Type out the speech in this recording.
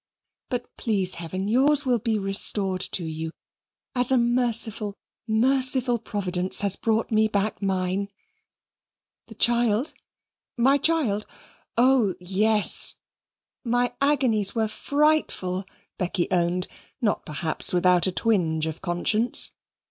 But please Heaven yours will be restored to you, as a merciful merciful Providence has brought me back mine." "The child, my child? Oh, yes, my agonies were frightful," Becky owned, not perhaps without a twinge of conscience.